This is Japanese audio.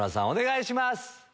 お願いします。